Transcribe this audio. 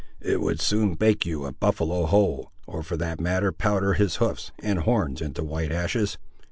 "It would soon bake you a buffaloe whole, or for that matter powder his hoofs and horns into white ashes.